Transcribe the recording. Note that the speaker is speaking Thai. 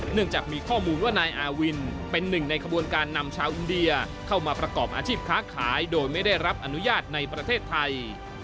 จากมีข้อมูลว่านายอาวินเป็นหนึ่งในขบวนการนำชาวอินเดียเข้ามาประกอบอาชีพค้าขายโดยไม่ได้รับอนุญาตในประเทศไทย